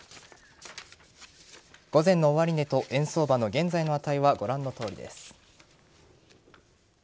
午前の終値と円相場の現在の値はご覧のとおりです。